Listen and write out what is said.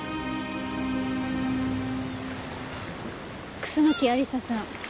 楠木亜理紗さん